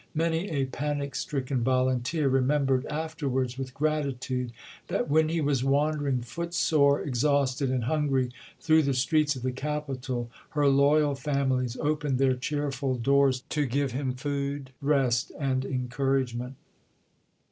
Many a panic stricken volunteer remem bered afterwards with gratitude, that when he was 356 ABKAHAM LINCOLN Chap. XX. Wandering footsore, exhausted, and hungry through the streets of the capital, her loyal families opened their cheerful doors to give him food, rest, and en couragement.